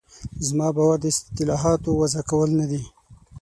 زما باور د اصطلاحاتو وضع کول نه دي.